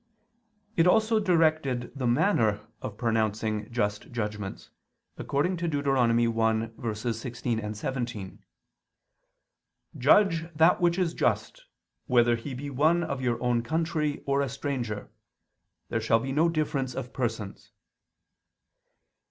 It is also directed the manner of pronouncing just judgments, according to Deut. 1:16, 17: "Judge that which is just, whether he be one of your own country or a stranger: there shall be no difference of persons."